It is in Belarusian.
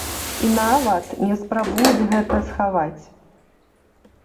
І нават не спрабуюць гэта схаваць.